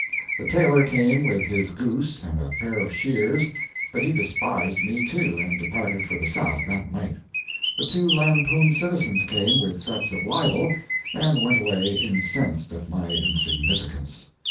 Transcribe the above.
The tailor came with his goose and a pair of shears; but he despised me, too, and departed for the South that night. The two lampooned citizens came with threats of libel, and went away incensed at my insignificance.